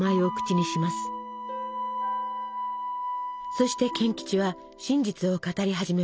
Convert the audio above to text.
そして賢吉は真実を語り始めます。